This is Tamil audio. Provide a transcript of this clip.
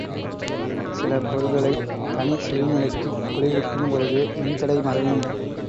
சில பொருள்களைத் தனிச்சுழிநிலைக்குக் குளிர்விக்கும் பொழுது மின்தடை மறையும்.